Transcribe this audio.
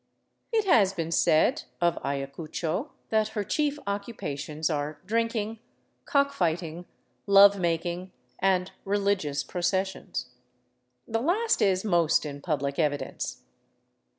It has been said of Ayacucho that her chief occupations are drinking, cock fighting, love making, and religious processions. The last is most in pubHc evidence.